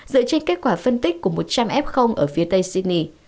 dựa trên kết quả phân tích của một trăm linh f ở phía tây sydney